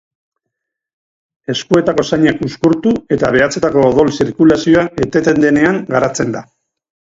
Eskuetako zainak uzkurtu eta behatzetako odol-zirkulazioa eteten denean garatzen da.